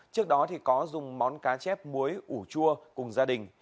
trước đó có dùng món cá chép muối ủ chua cùng gia đình